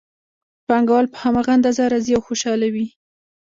پانګوال په هماغه اندازه راضي او خوشحاله وي